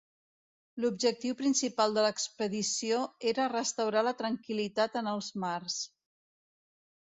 L'objectiu principal de l'expedició era restaurar la tranquil·litat en els mars.